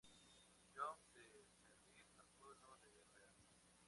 John de servir al pueblo de Real.